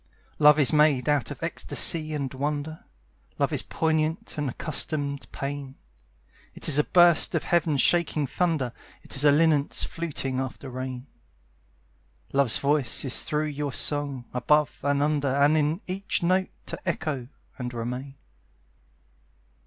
Love is made out of ecstasy and wonder; Love is a poignant and accustomed pain. It is a burst of Heaven shaking thunder; It is a linnet's fluting after rain. Love's voice is through your song; above and under And in each note to echo and remain.